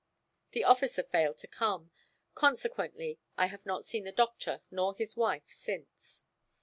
The officer failed to come, consequently I have not seen the Doctor nor his wife since.